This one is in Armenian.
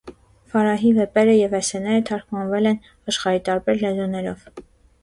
Ֆարահի վեպերը և էսսեները թարգմանված են աշխարհի տարբեր լեզուներով։